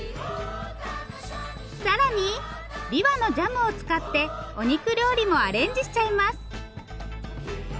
更にびわのジャムを使ってお肉料理もアレンジしちゃいます。